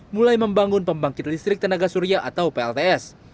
mulai membangun pembangkit listrik tenaga surya atau plts